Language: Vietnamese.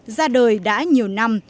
ra đời đã nhiều năm